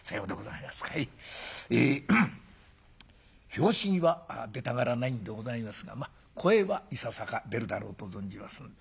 拍子木は出たがらないんでございますがまあ声はいささか出るだろうと存じます。